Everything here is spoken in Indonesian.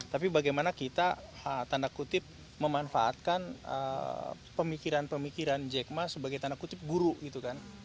tapi bagaimana kita tanda kutip memanfaatkan pemikiran pemikiran jack ma sebagai tanda kutip guru gitu kan